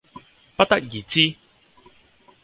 不得而知